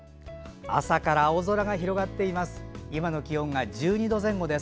朝から青空が広がっています。